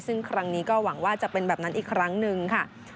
ซึ่งครั้งนี้ก็หวังว่าจะเป็นแบบนั้นอีกครั้งหนึ่งค่ะ